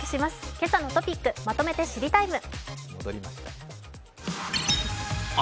「けさのトピックまとめて知りＴＩＭＥ，」。